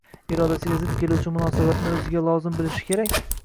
irodasiga zid keluvchi munosabatni o‘ziga lozim bilishi kerak?